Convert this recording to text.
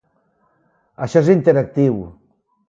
Això és interactiu.